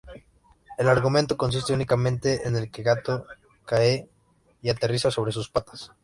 El argumento consiste únicamente en que el gato cae y aterriza sobre sus patas.